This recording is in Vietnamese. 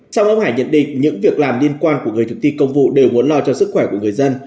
trong ông hải nhận định những việc làm liên quan của người thực thi công vụ đều muốn lo cho sức khỏe của người dân